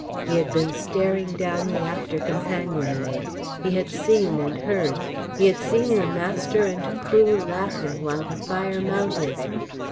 He had been staring down the after companionway. He had seen and heard. He had seen the master and crew laughing while the fire mounted.